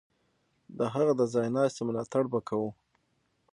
د هغه د ځای ناستي ملاتړ به کوو.